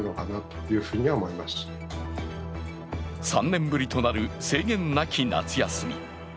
３年ぶりとなる制限なき夏休み。